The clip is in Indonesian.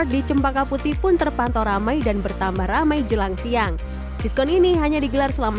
di cempaka putih pun terpantau ramai dan bertambah ramai jelang siang diskon ini hanya digelar selama